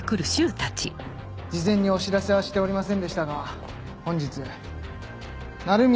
事前にお知らせはしておりませんでしたが本日鳴宮